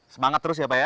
semangat terus ya pak ya